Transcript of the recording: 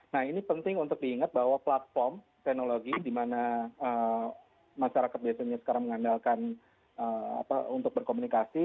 nah ini penting untuk diingat bahwa platform teknologi di mana masyarakat biasanya sekarang mengandalkan untuk berkomunikasi